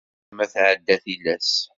Ulama tɛedda tillas.